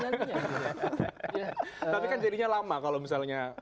tapi kan jadinya lama kalau misalnya